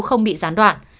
không bị gián đoạn